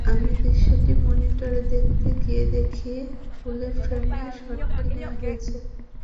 আমি দৃশ্যটি মনিটরে দেখতে গিয়ে দেখি, ফুল ফ্রেমে শটটি নেওয়া হয়েছে।